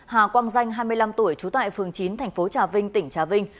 hà quang danh hai mươi năm tuổi trú tại phường chín tp trà vinh tỉnh trà vinh